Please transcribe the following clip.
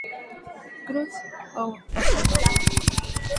Cruz" ou "O Cego".